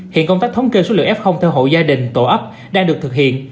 hiện công tác thống kê số lượng f theo hộ gia đình tổ ấp đang được thực hiện